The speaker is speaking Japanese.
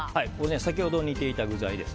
先ほど煮ていた具材です。